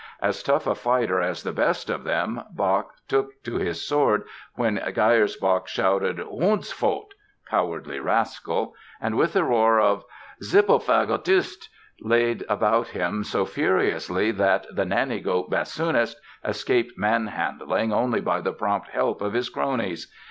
As tough a fighter as the best of them, Bach took to his sword when Geyersbach shouted, "Hundsfott" ("Cowardly rascal"), and with a roar of "Zippelfagottist" laid about him so furiously that the "nanny goat bassoonist" escaped manhandling only by the prompt help of his cronies.